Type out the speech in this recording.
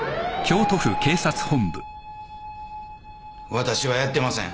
わたしはやってません。